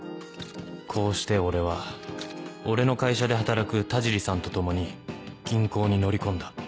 こうして俺は俺の会社で働く田尻さんと共に銀行に乗り込んだ